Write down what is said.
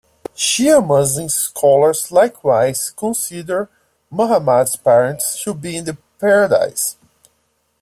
Shia Muslims scholars likewise consider Muhammad's parents to be in Paradise.